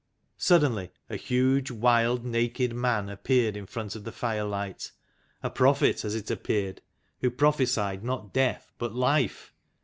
Suddenly a huge, wild, naked man appeared in front of the firelight, a prophet, as it appeared, who pro phesied not death but life.